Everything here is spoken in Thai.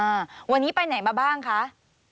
อ่าวันนี้ไปไหนมาบ้างคะ